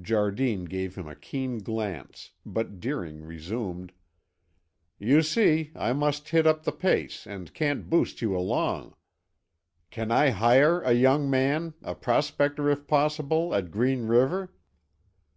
Jardine gave him a keen glance, but Deering resumed. "You see, I must hit up the pace and can't boost you along. Can I hire a young man, a prospector if possible, at Green River?"